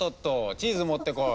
チーズ持ってこい。